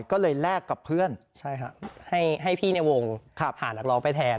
ก็เลยแลกกับเพื่อนให้พี่ในวงผ่านนักร้องไปแทน